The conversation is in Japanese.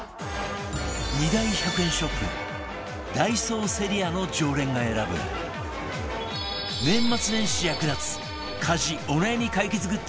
２大１００円ショップダイソーセリアの常連が選ぶ年末年始役立つ家事お悩み解決グッズ